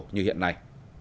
như hiện nay